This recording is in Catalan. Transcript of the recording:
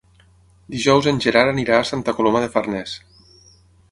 Dijous en Gerard anirà a Santa Coloma de Farners.